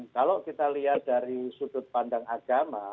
kalau kita lihat dari sudut pandang agama